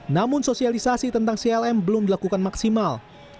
namun sosialisasi tentang clm belum dilakukan maksimal